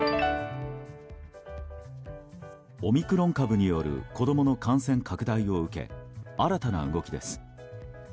オミクロン株による子供の感染拡大を受け新たな動きです。